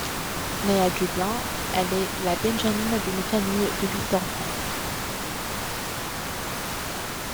Née à Dublin, elle est la benjamine d'une famille de huit enfants.